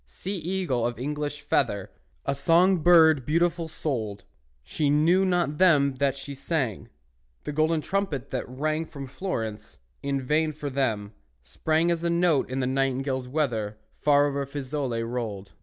Sea eagle of English feather, A song bird beautiful souled, She knew not them that she sang; The golden trumpet that rang From Florence, in vain for them, sprang As a note in the nightingales' weather Far over Fiesole rolled.